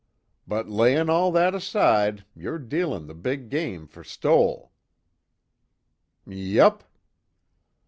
But, layin' all that aside, you're dealin' the big game for Stoell." "Yup."